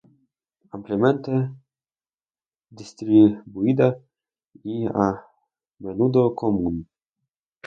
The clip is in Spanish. Ampliamente distribuida y a menudo común.